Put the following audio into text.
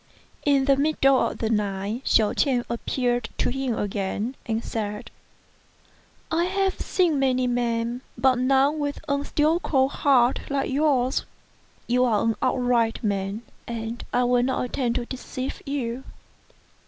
In the middle of the night Hsiao ch'ien FROM A CHINESE STUDIO. 127 appeared to him again, and said, " I have seen many men, but none with a steel cold heart like yours. You are an upright man, and I will not attempt to deceive you.